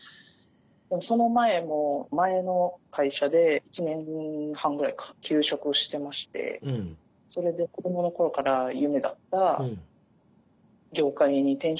でその前も前の会社で１年半ぐらいか休職をしてましてそれで子どもの頃から夢だった業界に転職をしたんですよね。